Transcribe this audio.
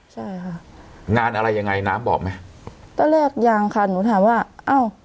ใช่ค่ะงานอะไรยังไงน้ำบอกไหมตอนแรกยังค่ะหนูถามว่าอ้าว